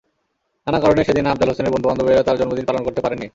নানা কারণে সেদিন আফজাল হোসেনের বন্ধুবান্ধবেরা তাঁর জন্মদিন পালন করতে পারেননি।